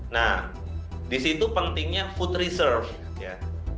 nah di situ pentingnya food reserve